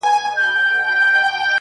نور به یې نه کوې پوښتنه چي د چا کلی دی -